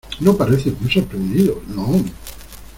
no pareces muy sorprendido, no.